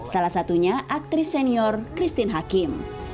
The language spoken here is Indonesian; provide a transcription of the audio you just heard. salah satunya aktris senior christine hakim